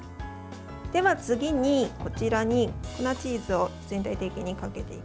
では、次にこちらに粉チーズを全体的にかけていきます。